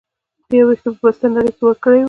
د يو وېښته په بسته نړۍ وکړى وى.